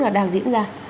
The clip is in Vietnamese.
là đang diễn ra